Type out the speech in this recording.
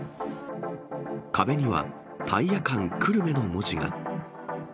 壁には、タイヤ館久留米の文字が。